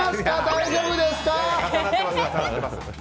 大丈夫です。